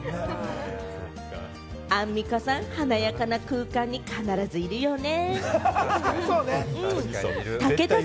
アンミカさん、華やかな空間に必ずいるよね。